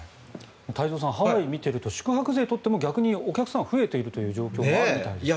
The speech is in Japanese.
太蔵さんハワイを見ていると宿泊税を取っても逆にお客さんが増えているという状況があるみたいですね。